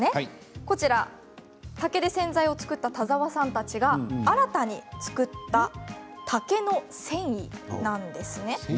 こちら竹で洗剤を作った田澤さんたちが新たに作った竹の繊維です。